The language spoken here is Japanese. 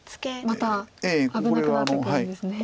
また危なくなってくるんですね。